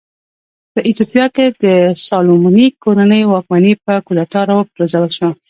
په ایتوپیا کې د سالومونیک کورنۍ واکمني په کودتا راوپرځول شوه.